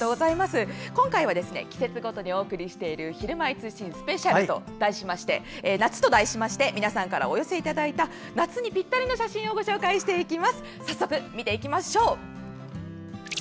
今回は季節ごとにお送りしている「ひるまえ通信ＳＰ・夏」と題しまして皆さんからお寄せいただいた夏にぴったりの写真をご紹介していきましょう。